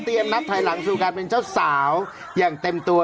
เตรียมนัดไถ่หลังสู่การเป็นเจ้าสาวอย่างเต็มตัว